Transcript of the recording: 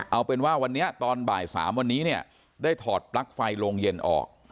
เอาเป็นว่าวันนี้ตอนบ่าย๓วันนี้เนี่ยได้ถอดปลั๊กไฟโรงเย็นออก